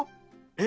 え？